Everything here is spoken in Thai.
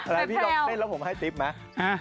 อันนี้พี่ดอคเซ็นแล้วผมให้ติ๊บมา